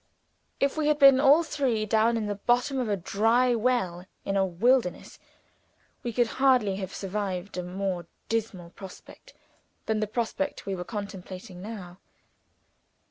If we had been all three down in the bottom of a dry well in a wilderness, we could hardly have surveyed a more dismal prospect than the prospect we were contemplating now.